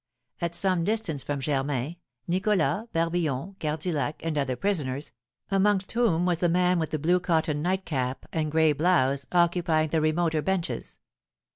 At some distance from Germain, Nicholas, Barbillon, Cardillac, and other prisoners, amongst whom was the man with the blue cotton nightcap and gray blouse, occupying the remoter benches.